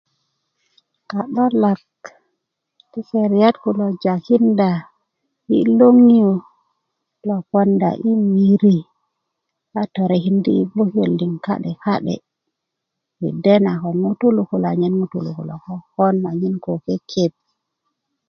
ka'dolak ti keriyat kulo jakinda yi' loŋiyo lo ponda i miri a torekindi' yi gbokiyot liŋ ka'de ka'de' i dena ko ŋutulu kulo anyen ŋutulu kulo kokon anyen koo kekep